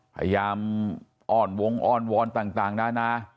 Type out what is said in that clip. พยายามอ้อนวงอ้อนวอนต่างนะนะ